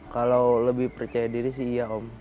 kalau lebih percaya diri sih iya om